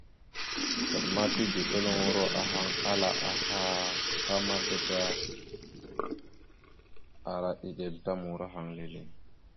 Vvaɗ ma tigəɗeluŋoro ahaŋ ala aha ta mada da ara eɗel ta murahaŋ leele.